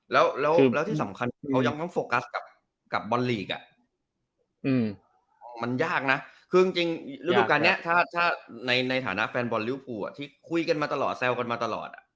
แล้วที่สำคัญเรายังต้องโฟกัสกับบอลลีกมันยากนะคือจริงฤดูการนี้ถ้าในฐานะแฟนบอลลิวภูที่คุยกันมาตลอดแซวกันมาตลอด